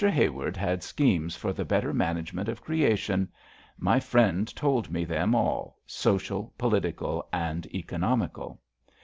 Haward had schemes for the better management of creation; my friend told me them all — social, political and economical.